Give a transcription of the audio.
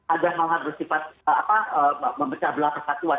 ada hal hal bersifat membecah belah perbatuan